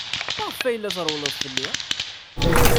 Maɣef ay la trewwled fell-i?